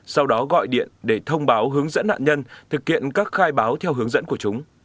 sau đó gọi điện để thông báo hướng dẫn nạn nhân thực hiện các khai báo theo hướng dẫn của chúng